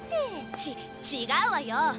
ち違うわよ！